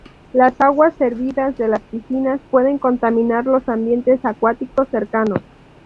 Las aguas servidas de las piscinas pueden contaminar los ambientes acuáticos cercanos.